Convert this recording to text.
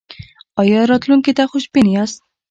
ایا راتلونکي ته خوشبین یاست؟